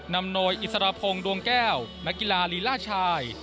นำโดยอิสรพงศ์ดวงแก้วนักกีฬาลีล่าชาย